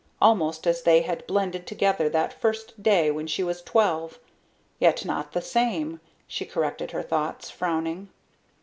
Almost as they had blended together that first day when she was twelve. Yet not the same, she corrected her thoughts, frowning.